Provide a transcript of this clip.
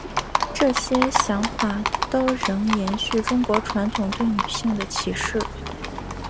这些想法都仍延续中国传统对女性的歧视。